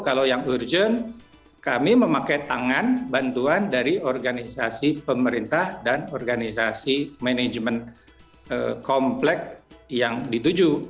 kalau yang urgent kami memakai tangan bantuan dari organisasi pemerintah dan organisasi manajemen komplek yang dituju